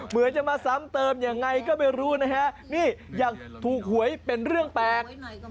เหมือนจะมาซ้ำเติมยังไงก็ไม่รู้นะฮะนี่ยังถูกหวยเป็นเรื่องแปลก